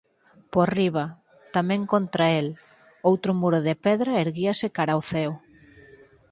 Por riba, tamén contra el, outro muro de pedra erguíase cara ó ceo.